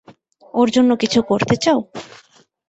ওর জন্য কিছু করতে চাও?